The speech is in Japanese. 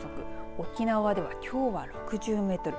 沖縄ではきょうは６０メートル